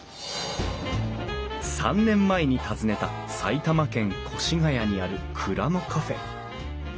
３年前に訪ねた埼玉県越谷にある蔵のカフェ。